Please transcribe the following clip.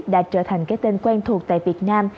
đã trở thành cái tên quen thuộc tại việt nam